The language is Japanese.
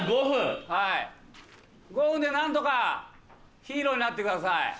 ５分でなんとかヒーローになってください。